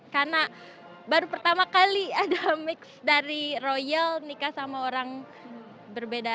karena baru pertama kali ada mix dari royal nikah sama orang berbeda